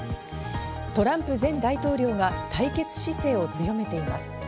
トランプ前大統領が対決姿勢を強めています。